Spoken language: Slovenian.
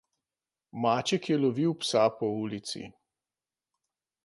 Maček je lovil psa po ulici.